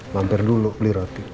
mampir dulu beli roti